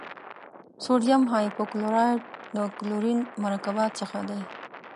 سوډیم هایپو کلورایټ د کلورین مرکباتو څخه دی.